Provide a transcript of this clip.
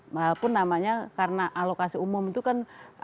walaupun namanya karena alokasi umum itu kan